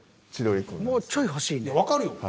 もうちょい欲しいね。